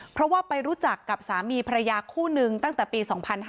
เพราะว่าไปรู้จักกับสามีภรรยาคู่นึงตั้งแต่ปี๒๕๕๙